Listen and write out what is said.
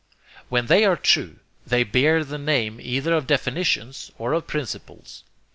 When they are true they bear the name either of definitions or of principles.